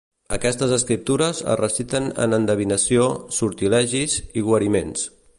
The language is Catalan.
Aquestes escriptures es reciten en endevinació, sortilegis i guariments.